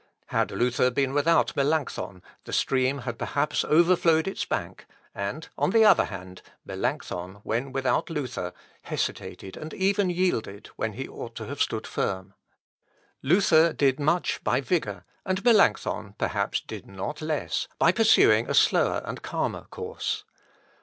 Had Luther been without Melancthon, the stream had perhaps overflowed its bank; and, on the other hand, Melancthon, when without Luther, hesitated, and even yielded, where he ought to have stood firm. Luther did much by vigour, and Melancthon perhaps did not less by pursuing a slower and calmer course.